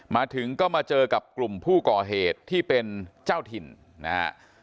มาถึงก็มาเจอกับกลุ่มผู้ก่อเหตุที่เป็นเจ้าถิ่นนะฮะ